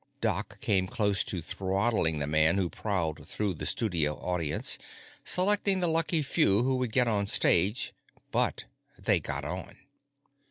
Doc came close to throttling the man who prowled through the studio audience, selecting the lucky few who would get on stage—but they got on.